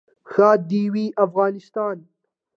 ښاد دې وي افغانستان.